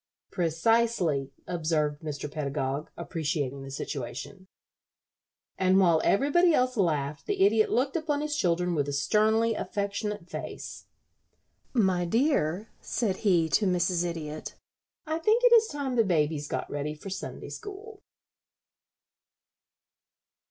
"Precisely," observed Mr. Pedagog, appreciating the situation. And while everybody else laughed the Idiot looked upon his children with a sternly affectionate face. "My dear," said he to Mrs. Idiot, "I think it is time the babies got ready for Sunday school."